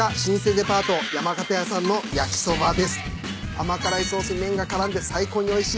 甘辛いソース麺が絡んで最高においしい。